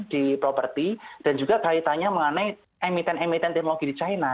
di properti dan juga kaitannya mengenai emiten emiten teknologi di china